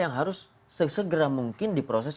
yang harus segera mungkin diproses